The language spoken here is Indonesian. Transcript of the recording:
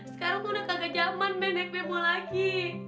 sekarang udah kagak jaman be naik bebo lagi